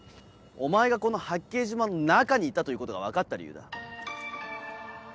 お前がこの八景島の中にいたということが分かった理由だ。